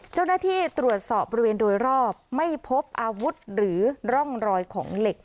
เจ้าหน้าที่ตรวจสอบบริเวณโดยรอบไม่พบอาวุธหรือร่องรอยของเหล็ก